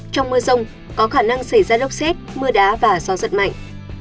trong mưa rông có khả năng xảy ra lốc xét mưa đá và gió giật mạnh